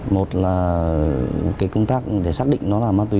một là cái công tác để xác định nó là ma túy